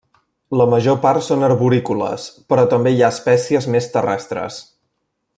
La major part són arborícoles, però també hi ha espècies més terrestres.